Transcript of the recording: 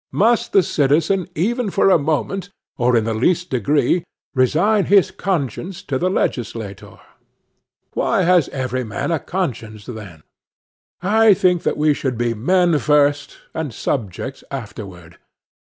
Must the citizen ever for a moment, or in the least degree, resign his conscience to the legislator? Why has every man a conscience, then? I think that we should be men first, and subjects afterward.